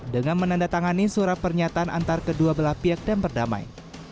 dengan menandatangani surat pernyataan antar kedua belah pihak dan perdamai